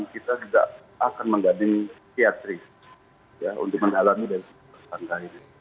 kita juga akan mengganti teatrik ya untuk menalami dari sekitar rumah tersangka ini